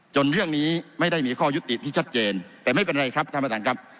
เรื่องนี้ไม่ได้มีข้อยุติที่ชัดเจนแต่ไม่เป็นไรครับท่านประธานครับ